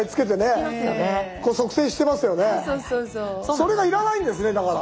それが要らないんですねだから。